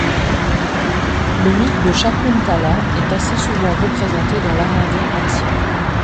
Le mythe de Shâkuntalâ est assez souvent représenté dans l'art Indien ancien.